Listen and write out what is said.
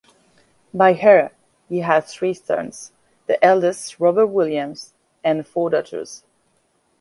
By her he had three sons, the eldest Robert William, and four daughters.